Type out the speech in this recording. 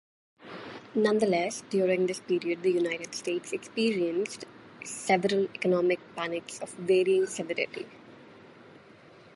Nonetheless, during this period the United States experienced several economic panics of varying severity.